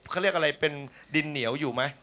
เขาเรียกอะไรเป็นดินเหนียวอยู่ไหม